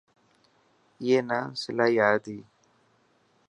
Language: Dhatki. اي نا سلائي آئي تي.